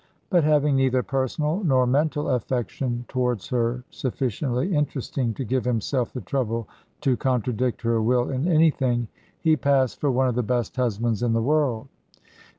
But having neither personal nor mental affection towards her sufficiently interesting to give himself the trouble to contradict her will in anything, he passed for one of the best husbands in the world.